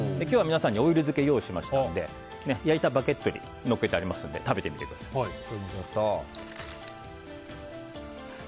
今日は皆さんにオイル漬けを用意したので焼いたバゲットにのっけてありますので食べてみてください。